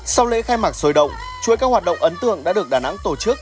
sau lễ khai mạc sồi động chuỗi các hoạt động ấn tượng đã được đà nẵng tổ chức